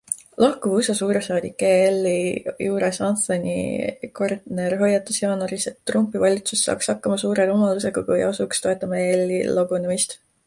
Lahkuv USA suursaadik EL-i juures Anthony Gardner hoiatas jaanuaris, et Trumpi valitsus saaks hakkama suure rumalusega, kui asuks toetama EL-i lagunemist.